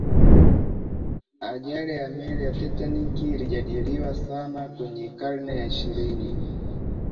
ajali ya meli ya titanic ilijadiliwa sana kwenye karne ya ishirini